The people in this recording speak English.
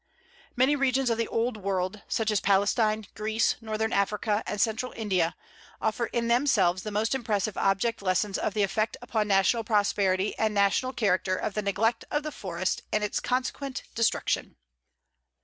Many regions of the old world, such as Palestine, Greece, Northern Africa, and Central India, offer in themselves the most impressive object lessons of the effect upon national prosperity and national character of the neglect of the forest and its consequent destruction.